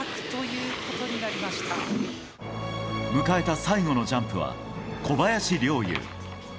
迎えた最後のジャンプは小林陵侑。